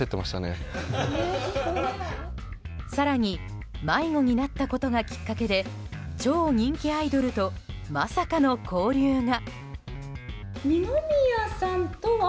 更に迷子になったことがきっかけで超人気アイドルとまさかの交流が。